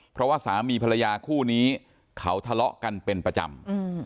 เพราะว่าสามีภรรยาคู่นี้เขาทะเลาะกันเป็นประจำ